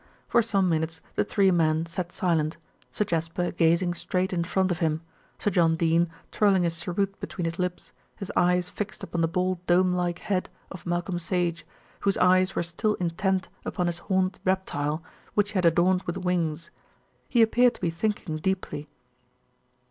For some minutes the three men sat silent, Sir Jasper gazing straight in front of him, Sir John Dene twirling his cheroot between his lips, his eyes fixed upon the bald dome like head of Malcolm Sage, whose eyes were still intent upon his horned reptile, which he had adorned with wings. He appeared to be thinking deeply.